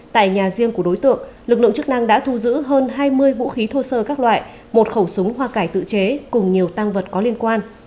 tại nhà riêng của đối tượng lực lượng chức năng đã thu giữ hơn hai mươi vũ khí thô sơ các loại một khẩu súng hoa cải tự chế cùng nhiều tăng vật có liên quan